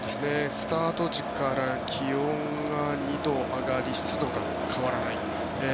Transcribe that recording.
スタート時から気温が２度上がり湿度が変わらない。